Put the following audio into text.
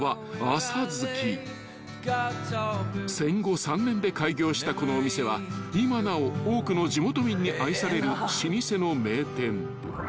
［戦後３年で開業したこのお店は今なお多くの地元民に愛される老舗の名店］